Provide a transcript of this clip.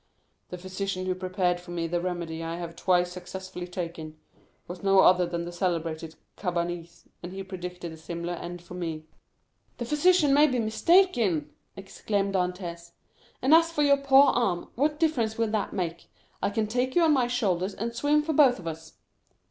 The physician who prepared for me the remedy I have twice successfully taken, was no other than the celebrated Cabanis, and he predicted a similar end for me." 0233m "The physician may be mistaken!" exclaimed Dantès. "And as for your poor arm, what difference will that make? I can take you on my shoulders, and swim for both of us."